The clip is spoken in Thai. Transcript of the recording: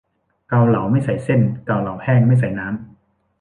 เกาเหลา ไม่ใส่เส้น เกาเหลาแห้ง ไม่ใส่น้ำ